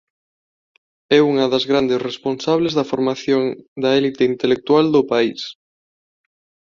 É unha das grandes responsables da formación da elite intelectual do país.